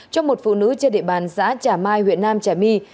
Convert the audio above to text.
trong một phụ nữ trên địa bàn xã trà my huyện nam trà my